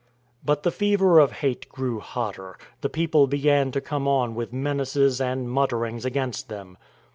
" But the fever of hate grew hotter; the people began to come on with menaces and mutterings against them.